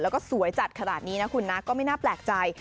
แล้วก็สวยจัดขนาดนี้นะคุณนะก็ไม่น่าแปลกใจ